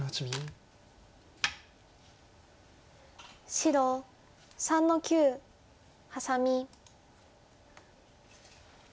白３の九ハサミ。